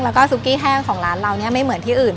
แล้วก็ซุกี้แห้งของร้านเราเนี่ยไม่เหมือนที่อื่น